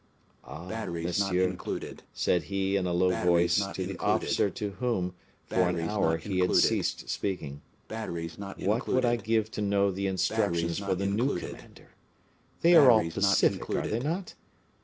"Ah! monsieur," said he, in a low voice, to the officer to whom, for an hour, he had ceased speaking, "what would I give to know the instructions for the new commander! They are all pacific, are they not?